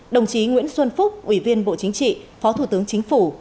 đồng chí nguyễn xuân phúc ủy viên bộ chính trị phó thủ tướng chính phủ